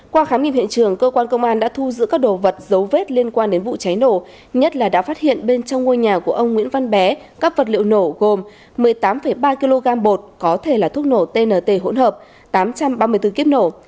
qua khám nghiệm hiện trường cơ quan công an đã thu giữ các đồ vật dấu vết liên quan đến vụ cháy nổ nhất là đã phát hiện bên trong ngôi nhà của ông nguyễn văn bé các vật liệu nổ gồm một mươi tám ba kg bột có thể là thuốc nổ tnt hỗn hợp tám trăm ba mươi bốn kiếp nổ